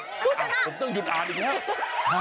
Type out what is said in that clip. นายจัดอ้านเอ้าผมต้องหยุดอ่านอีกนะ